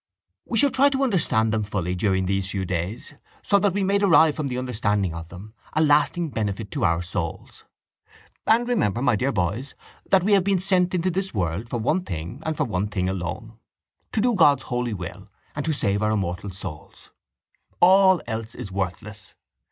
We shall try to understand them fully during these few days so that we may derive from the understanding of them a lasting benefit to our souls. And remember, my dear boys, that we have been sent into this world for one thing and for one thing alone: to do God's holy will and to save our immortal souls. All else is worthless.